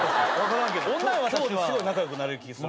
今日ですごい仲良くなれる気する。